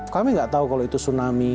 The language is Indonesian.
kami nggak tahu kalau itu tsunami